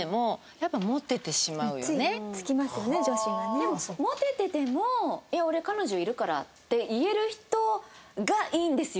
でもモテてても「いや俺彼女いるから」って言える人がいいんですよ。